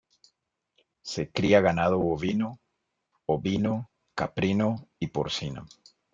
Se cría ganado bovino, ovino, caprino y porcino.